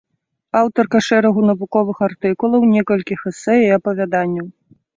Аўтарка шэрагу навуковых артыкулаў, некалькіх эсэ і апавяданняў.